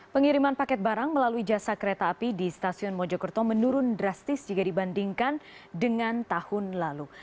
pengiriman paket barang melalui jasa kereta api di stasiun mojokerto menurun drastis jika dibandingkan dengan tahun lalu